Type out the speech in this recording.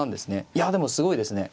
いやでもすごいですね。